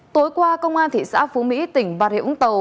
tối qua công an thị xã phú mỹ tỉnh bà rịa úng tàu